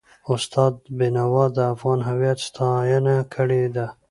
استاد بینوا د افغان هویت ستاینه کړې ده.